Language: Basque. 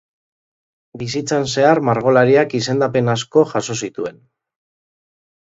Bizitzan zehar margolariak izendapen asko jaso zituen.